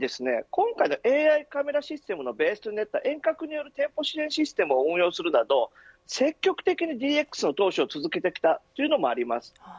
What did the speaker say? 今回のＡＩカメラシステムのベースとなった遠隔による店舗支援システムを運用するなど積極的にＤＸへの投資を続けてきたというのもあります。